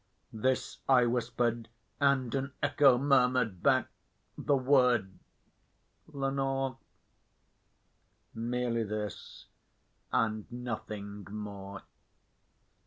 This I whispered, and an echo murmured back the word, "Lenore!" Merely this, and nothing more.